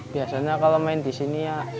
biasanya kalau main di sini ya